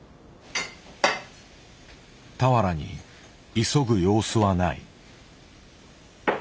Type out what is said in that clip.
俵に急ぐ様子はない。